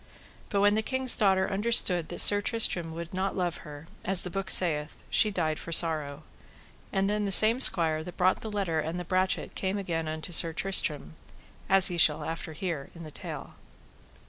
But when the king's daughter understood that Sir Tristram would not love her, as the book saith, she died for sorrow. And then the same squire that brought the letter and the brachet came again unto Sir Tristram, as after ye shall hear in the tale.